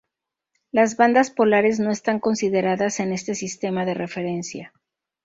Las bandas polares no están consideradas en este sistema de referencia.